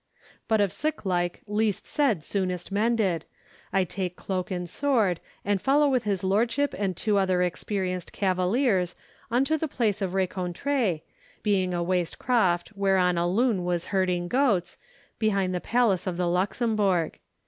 But of siclike least said soonest mended. I take cloak and sword, and follow with his lordship and two other experienced cavaliers unto the place of rencontre, being a waste croft whereon a loon was herding goats, behind the Palace of the Luxembourg.